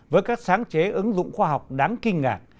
với các sáng chế ứng dụng khoa học đáng kinh ngạt